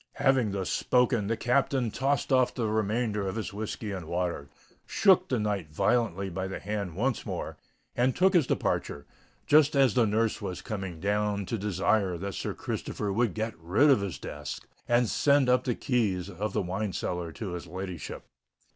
Having thus spoken, the Captain tossed off the remainder of his whiskey and water, shook the knight violently by the hand once more, and took his departure, just as the nurse was coming down to desire that Sir Christopher would get rid of his guest and send up the keys of the wine cellar to her ladyship.